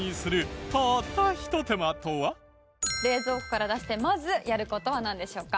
冷蔵庫から出してまずやる事はなんでしょうか？